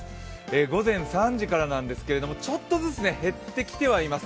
午前３時からなんですがちょっとずつ減ってきてはいます。